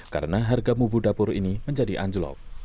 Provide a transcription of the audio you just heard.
karena harga mubu dapur ini menjadi anjlok